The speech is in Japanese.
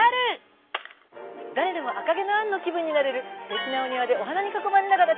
誰でも『赤毛のアン』の気分になれるすてきなお庭でお花に囲まれながらティータイム。